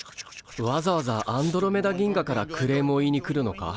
わざわざアンドロメダ銀河からクレームを言いに来るのか？